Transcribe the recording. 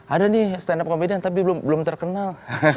ada nih stand up comedan tapi belum terkenal